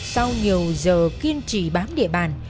sau nhiều giờ kiên trì bám địa bàn